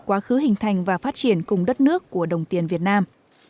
quá khứ hình thành và phát triển cùng đất nước của đồng tiền việt nam